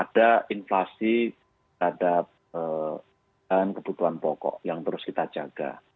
dan kebutuhan pokok yang terus kita jaga